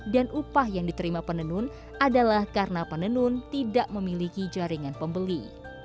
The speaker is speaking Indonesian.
dan upah yang diterima penenun adalah karena penenun tidak memiliki jaringan pembeli